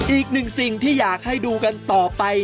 อีกหนึ่งสิ่งที่อยากให้ดูกันต่อไป